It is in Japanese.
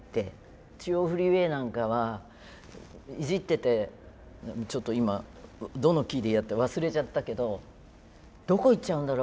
「中央フリーウェイ」なんかはいじっててちょっと今どのキーでやったか忘れちゃったけどどこ行っちゃうんだろう